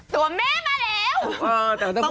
สวมแม่มาแล้ว